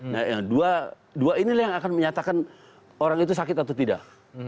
nah yang dua inilah yang akan menyatakan orang itu sakit atau tidak